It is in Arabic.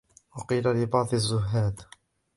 وَقِيلَ لِبَعْضِ الزُّهَّادِ